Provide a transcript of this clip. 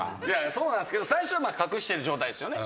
そうなんですけど最初隠してる状態ですよね。